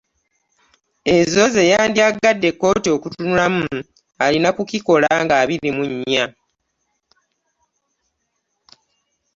Ezo ze yandyagadde kkooti okutunulamu alina kukikola ng'abiri mu nnya.